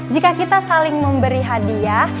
jika kita saling memberi hadiah